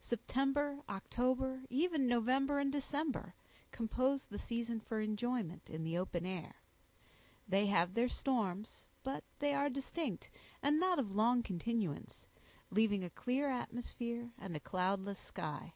September, October, even November and December, compose the season for enjoyment in the open air; they have their storms, but they are distinct, and not of long continuance, leaving a clear atmosphere and a cloudless sky.